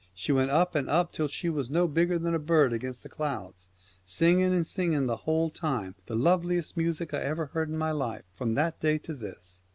She went up and up, till she was no bigger than a bird up against the clouds, singing and singing the whole time the loveliest music I ever heard in my life 205 The from that day to this.